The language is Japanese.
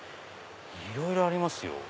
いろいろありますよ。